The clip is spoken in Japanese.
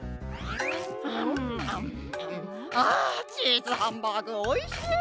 あチーズハンバーグおいしい！